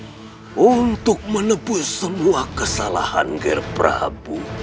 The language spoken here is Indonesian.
ger prabu untuk menepus semua kesalahan ger prabu